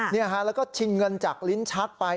นี่ฮะแล้วก็ชิงเงินจากลิ้นชักไป